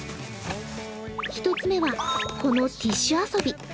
１つ目はこのティッシュ遊び。